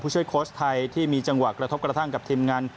ช่วยโค้ชไทยที่มีจังหวะกระทบกระทั่งกับทีมงาน